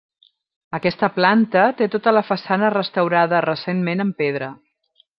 Aquesta planta, té tota la façana restaurada recentment amb pedra.